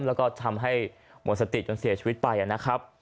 แล้วก็ทำให้หมดสติดเกิดเสียชีวิตไป